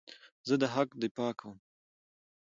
زه د حق دفاع کوم.